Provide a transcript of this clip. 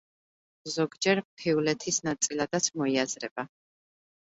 ზოგჯერ მთიულეთის ნაწილადაც მოიაზრება.